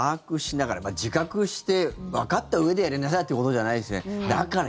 だから、自覚してわかったうえでやりなさいということじゃないですね。